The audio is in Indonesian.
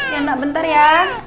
ya anak bentar ya